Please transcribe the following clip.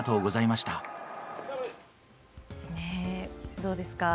どうですか？